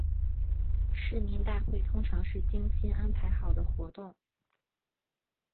市民大会通常是精心安排好的活动。